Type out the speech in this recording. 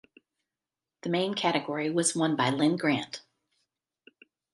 The main category was won by Linn Grant.